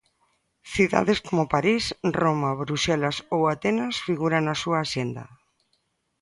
Cidades como París, Roma, Bruxelas, ou Atenas figuran na súa axenda.